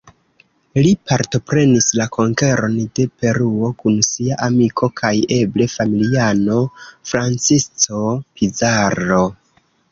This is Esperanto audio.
Li partoprenis la konkeron de Peruo, kun sia amiko kaj eble familiano Francisco Pizarro.